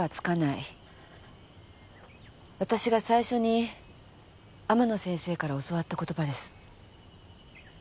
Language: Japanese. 私が最初に天野先生から教わった言葉です。